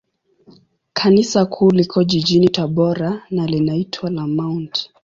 Kanisa Kuu liko jijini Tabora, na linaitwa la Mt.